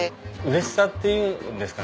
嬉しさっていうんですかね